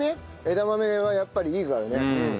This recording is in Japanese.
枝豆はやっぱりいいからね。